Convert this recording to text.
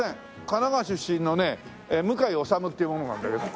神奈川出身のね向井理っていう者なんだけど。